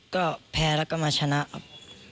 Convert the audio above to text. ก็แพ้แล้วก็มาชนะครับ